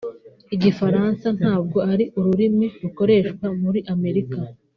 Igifaransa ntabwo ari ururimi rukoreshwa muri Armenia